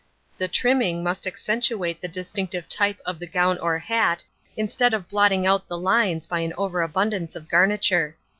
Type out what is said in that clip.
The trimming must accentuate the distinctive type of the gown or hat instead of blotting out the lines by an overabundance of garniture.